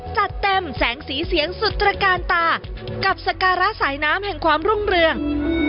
จัดเต็มแสงสีเสียงสุดตระกาลตากับสการะสายน้ำแห่งความรุ่งเรือง